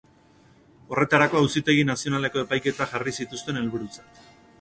Horretarako, Auzitegi Nazionaleko epaiketak jarri zituzten helburutzat.